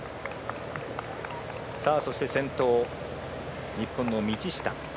そして先頭、日本の道下。